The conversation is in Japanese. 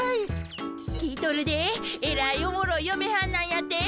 聞いとるでえらいおもろいよめはんなんやて？